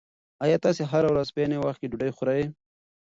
ایا تاسي هره ورځ په عین وخت کې ډوډۍ خورئ؟